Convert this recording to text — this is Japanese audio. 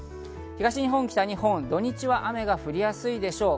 東日本、北日本、土日は雨が降りやすいでしょう。